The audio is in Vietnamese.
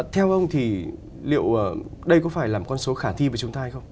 theo ông thì liệu đây có phải là con số khả thi với chúng ta hay không